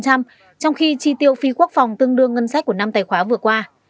trong khi chi tiêu phi quốc phòng tương đương ngân sách của năm tài khoá vừa qua